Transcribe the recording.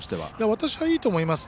私はいいと思います。